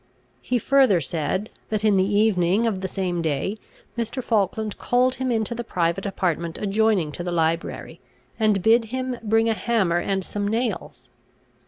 He further said, that in the evening of the same day Mr. Falkland called him into the private apartment adjoining to the library, and bid him bring a hammer and some nails.